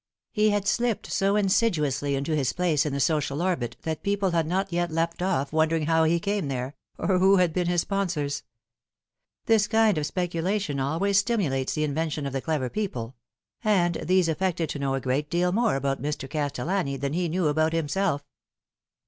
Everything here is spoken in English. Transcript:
He had slipped so insidiously into his place in the social orbit that people had not yet left off wondering how he came there, or trho had been his sponsors. This kind of speculation always stimulates the invention of the clever people ; and these affected to know a good deal more about Mr. Castellani than he knew about himself.